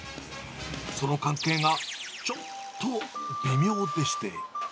その関係が、ちょっと微妙でして。